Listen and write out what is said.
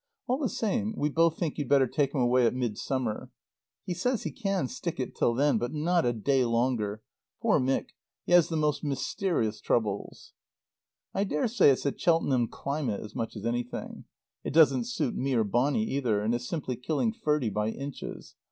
All the same we both think you'd better take him away at Midsummer. He says he can stick it till then, but not a day longer. Poor Mick! He has the most mysterious troubles. I daresay it's the Cheltenham climate as much as anything. It doesn't suit me or Bonny either, and it's simply killing Ferdie by inches.